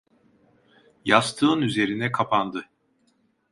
Yastığın üzerine kapandı.